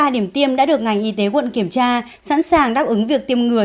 ba điểm tiêm đã được ngành y tế quận kiểm tra sẵn sàng đáp ứng việc tiêm ngừa